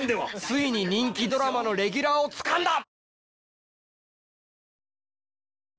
ついに人気ドラマのレギュラーをつかんだ！